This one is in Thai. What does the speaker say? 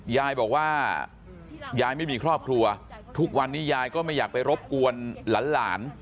ยายบอกว่ายายไม่มีครอบครัวทุกวันนี้ยายก็ไม่อยากไปรบกวนหลาน